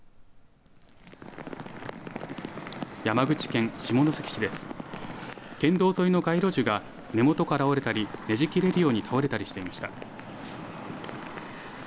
県道沿いの街路樹が根元から折れたり、ねじ切れるように倒れたりしていました。